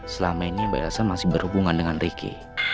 selama ini mba alsa masih berhubungan dengan ricky